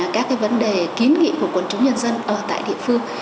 các cái vấn đề kiến nghị của quân chúng nhân dân ở tại địa phương